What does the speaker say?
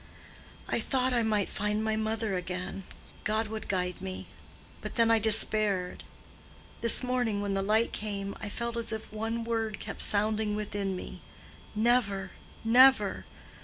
I thought I might find my mother again—God would guide me. But then I despaired. This morning when the light came, I felt as if one word kept sounding within me—Never! never!